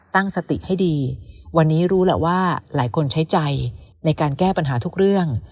ตั้งสติให้ดีวันนี้รู้แหละว่าหลายคนใช้ใจในการแก้ปัญหาทุกเรื่อง